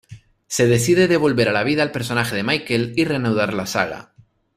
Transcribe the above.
Se decide devolver a la vida al personaje de Michael y reanudar la saga.